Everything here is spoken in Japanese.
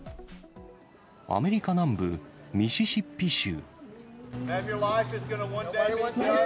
アメリカ南部ミシシッピ州。